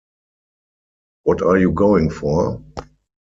What are you going for?